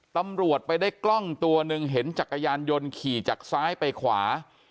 ตำรวจไปได้กล้องตัวหนึ่งเห็นจักรยานยนต์ขี่จากซ้ายไปขวา